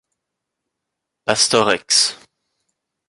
Pastor Ex.